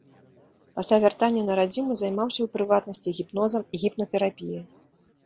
Пасля вяртання на радзіму займаўся, у прыватнасці, гіпнозам і гіпнатэрапіяй.